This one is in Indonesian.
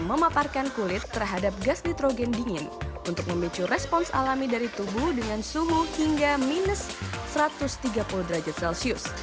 memaparkan kulit terhadap gas nitrogen dingin untuk memicu respons alami dari tubuh dengan suhu hingga minus satu ratus tiga puluh derajat celcius